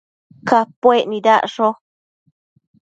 Capuec nidacsho